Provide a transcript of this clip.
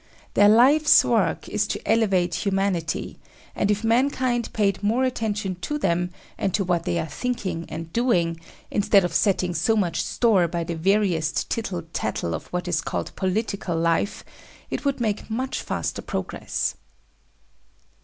Their life's work is to elevate humanity, and if mankind paid more attention to them, and to what they are thinking and doing, instead of setting so much store by the veriest tittle tattle of what is called political life, it would make much faster progress.